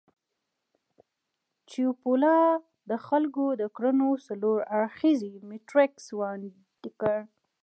چیپولا د خلکو د کړنو څلور اړخييز میټریکس وړاندې کړ.